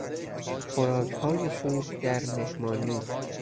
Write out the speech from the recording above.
خوراکهای خوب در مهمانی